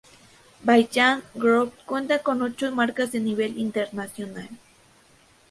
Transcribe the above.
Vaillant Group cuenta con ocho marcas a nivel internacional.